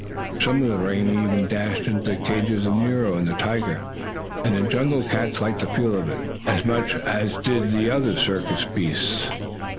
Some of the rain even dashed into the cages of Nero and the tiger, and the jungle cats liked the feel of it as much as did the other circus beasts.